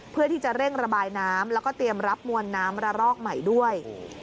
เพื่อที่จะเร่งระบายน้ำแล้วก็เตรียมรับมวลน้ำระรอกใหม่ด้วย